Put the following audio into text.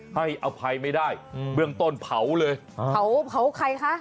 ให้อภัยไม่ได้อืมเบื้องต้นเผาเลยเผาเผาใครคะ